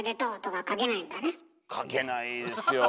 かけないですよ。